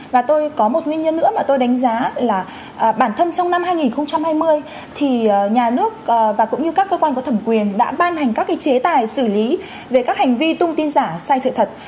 và tôi có một nguyên nhân nữa mà tôi đánh giá là bản thân trong năm hai nghìn hai mươi thì nhà nước và cũng như các cơ quan có thẩm quyền đã ban hành các cái chế tài xử lý về các hành vi tung tin giả sai sự thật